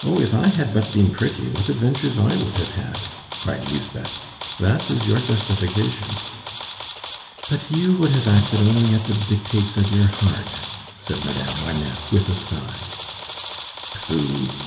if I had but been pretty, what adventures I would have had!" cried Lisbeth. "That is your justification." "But you would have acted only at the dictates of your heart," said Madame Marneffe, with a sigh. "Pooh!